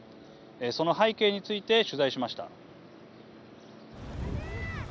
その背景について取材しました。